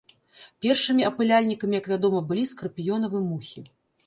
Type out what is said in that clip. Першымі апыляльнікамі, як вядома, былі скарпіёнавы мухі.